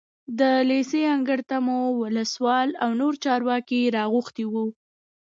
د لېسې انګړ ته مو ولسوال او نور چارواکي راغوښتي وو.